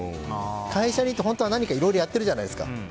会社に行って、本当は何かいろいろやってるじゃないですか。